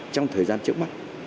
trong thời gian trước mắt